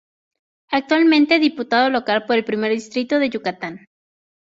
Actualmente diputado local por el primer distrito de Yucatán.